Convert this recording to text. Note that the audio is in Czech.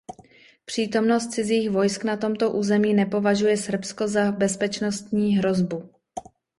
Přítomnost cizích vojsk na tomto území nepovažuje Srbsko za bezpečnostní hrozbu.